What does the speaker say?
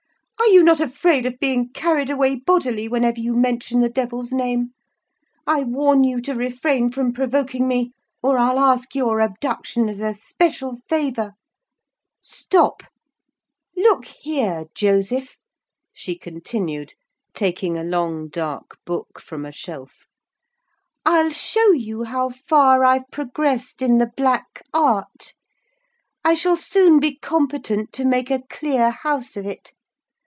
"Are you not afraid of being carried away bodily, whenever you mention the devil's name? I warn you to refrain from provoking me, or I'll ask your abduction as a special favour! Stop! look here, Joseph," she continued, taking a long, dark book from a shelf; "I'll show you how far I've progressed in the Black Art: I shall soon be competent to make a clear house of it.